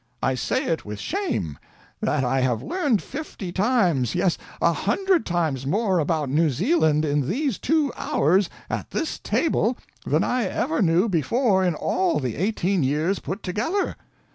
I say it with shame, that I have learned fifty times, yes, a hundred times more about New Zealand in these two hours at this table than I ever knew before in all the eighteen years put together.